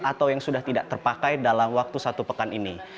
atau yang sudah tidak terpakai dalam waktu satu pekan ini